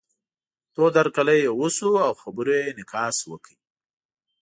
تود هرکلی یې وشو او خبرو یې انعکاس وکړ.